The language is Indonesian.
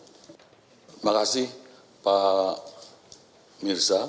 terima kasih pak mirza